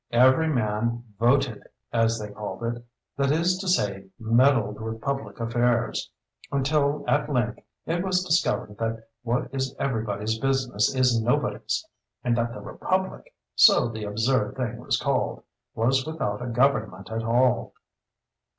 Every man "voted," as they called it—that is to say meddled with public affairs—until at length, it was discovered that what is everybody's business is nobody's, and that the "Republic" (so the absurd thing was called) was without a government at all.